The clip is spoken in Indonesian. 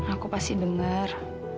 aku pasti denger